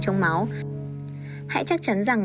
trong máu hãy chắc chắn rằng